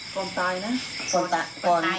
ก่อนตายนะ